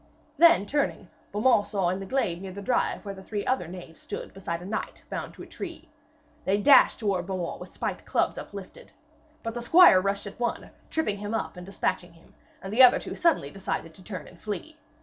Then turning, Beaumains saw in a glade near the drive where three other knaves stood beside a knight bound to a tree. They dashed towards Beaumains with spiked clubs uplifted. But the squire rushed at one, tripped him up and despatched him; and the others suddenly decided to turn and flee.